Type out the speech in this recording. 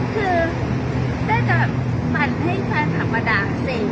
คือแต่จะฝันเพื่อนภาษามะดาวสิ